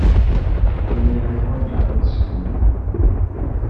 Imir-a, ḥwajeɣ ad sgunfuɣ.